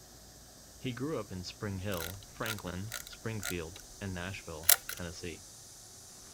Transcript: He grew up in Spring Hill, Franklin, Springfield, and Nashville, Tennessee.